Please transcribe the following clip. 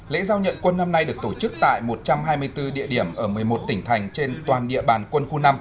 lễ giao nhận quân năm nay được tổ chức tại một trăm hai mươi bốn địa điểm ở một mươi một tỉnh thành trên toàn địa bàn quân khu năm